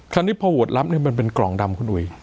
คราวนี้พอโหวตรับมันเป็นกล่องดำคุณอุ๋ย